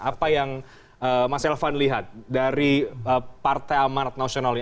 apa yang mas elvan lihat dari partai amarat nasional ini